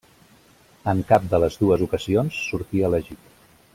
En cap de les dues ocasions sortí elegit.